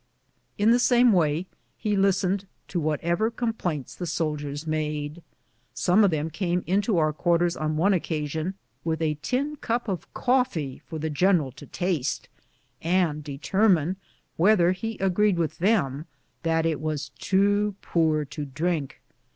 In the same way he listened to whatever complaints the sol diers made. Som'^, of them came into our quarters on one occasion with a tin cup of coffee for the general to taste, and determine whether he agreed with them that it was too poor to drink.